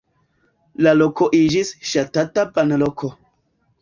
La loko iĝis ŝatata banloko.